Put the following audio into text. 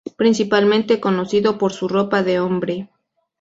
Principalmente conocido por su ropa de hombre.